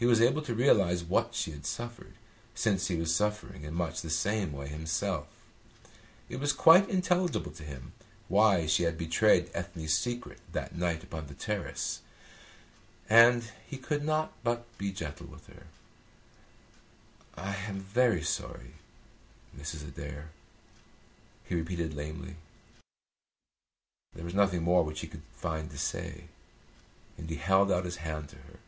He was able to realise what she had suffered, since he was suffering in much the same way himself. It was quite intelligible to him why she had betrayed Ethne's secret that night upon the terrace, and he could not but be gentle with her. "I am very sorry, Mrs. Adair," he repeated lamely. There was nothing more which he could find to say, and he held out his hand to her.